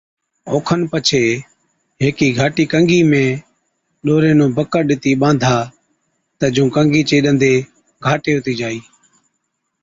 او کن پڇي هيڪي گھاٽِي ڪنگِي ۾ ڏوري نُون بڪڙ ڏِتِي ٻانڌا تہ جُون ڪنگِي چي ڏندي گھاٽي هُتِي جائِي۔